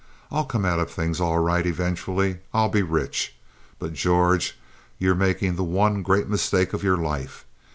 I'll come out of things all right, eventually. I'll be rich. But, George, you're making the one great mistake of your life.